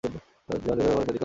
জন, যতটা পারো চারদিকে আলো ফেলো।